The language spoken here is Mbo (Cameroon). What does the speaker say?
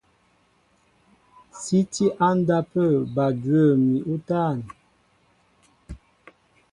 Sí tí á ndápə̂ bal dwə̂m ni útân.